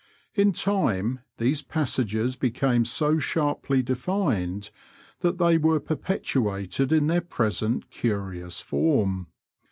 In time these passages became so sharply defined that they were perpetuated in their present curious form.